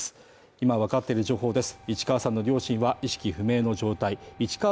今わかっている情報です。